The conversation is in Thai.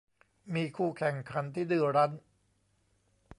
มีคู่แข่งขันที่ดื้อรั้น